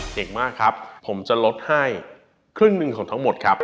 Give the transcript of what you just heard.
เก่งมากครับผมจะลดให้ครึ่งหนึ่งของทั้งหมดครับ